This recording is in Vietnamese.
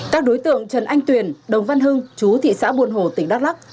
các đối tượng trần anh tuyền đồng văn hưng chú thị xã buôn hồ tỉnh đắk lắc